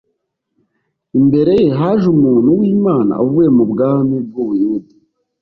imbere ye haje umuntu wImana avuye mu bwami bwUbuyuda